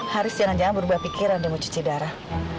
harus jangan jangan berubah pikiran dia mau cuci darah